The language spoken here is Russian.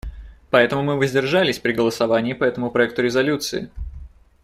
Поэтому мы воздержались при голосовании по этому проекту резолюции.